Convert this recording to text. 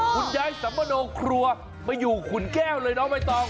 คุณย้ายสัมมโนครัวมาอยู่ขุนแก้วเลยน้องใบตอง